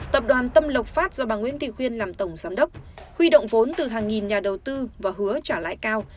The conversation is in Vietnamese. tập đoàn tâm lộc phát do bà nguyễn thị khuyên làm tổng giám đốc huy động vốn từ hàng nghìn nhà đầu tư và hứa trả lãi cao